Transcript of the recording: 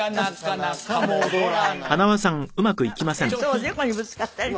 おでこにぶつかったりして。